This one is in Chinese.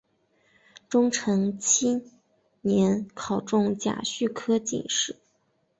崇祯七年考中甲戌科进士。